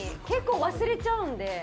結構忘れちゃうんで。